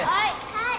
はい！